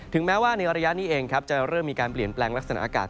แม้ว่าในระยะนี้เองครับจะเริ่มมีการเปลี่ยนแปลงลักษณะอากาศ